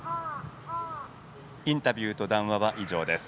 インタビューと談話は以上です。